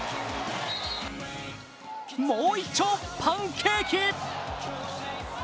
もう一丁、パンケーキ！